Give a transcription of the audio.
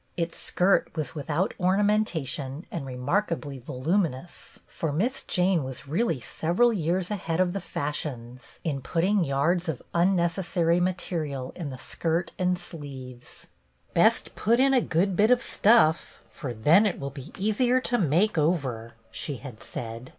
Its skirt was without orna mentation and remarkably voluminous, for Miss Jane was really several years ahead of the fashions, in putting yards of unnecessary material in the skirt and sleeves. " Best put in a good bit of stuff, for then it will be easier to make over," she had said.